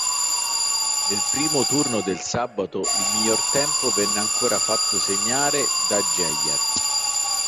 Nel primo turno del sabato il miglior tempo venne ancora fatto segnare da Jarier.